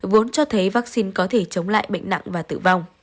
vốn cho thấy vaccine có thể chống lại bệnh nặng và tử vong